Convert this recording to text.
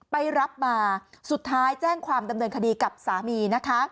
ไปรับมาสุดท้ายแจ้งความดำเนินคดีกับสามีนะคะ